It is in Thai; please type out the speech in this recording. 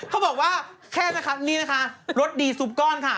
เขาบอกว่าแค่นะคะนี่นะคะรสดีซุปก้อนค่ะ